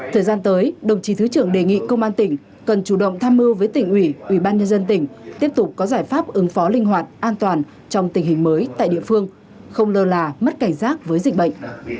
thời gian tới đồng chí thứ trưởng đề nghị công an tỉnh cần chủ động tham mưu với tỉnh ủy ủy ban nhân dân tỉnh tiếp tục có giải pháp ứng phó linh hoạt an toàn trong tình hình mới tại địa phương không lơ là mất cảnh giác với dịch bệnh